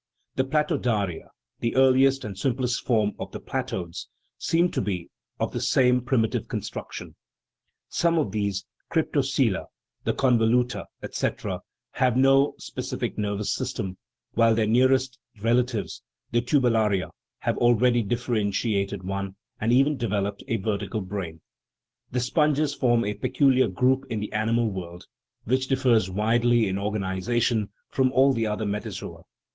The platodaria, the earliest and simplest form of the platodes, seem to be of the same primitive construction. Some of these cryptocoela the convoluta, etc. have * Cf . Anthropogeny and Natural History of Creation. 160 THE PHYLOGENY OF THE SOUL no specific nervous system, while their nearest rela tives, the turbellaria, have already differentiated one, and even developed a vertical brain. The sponges form a peculiar group in the animal world, which differs widely in organization from all the other metazoa.